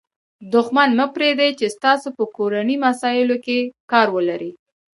دوښمن مه پرېږدئ، چي ستاسي په کورنۍ مسائلو کښي کار ولري.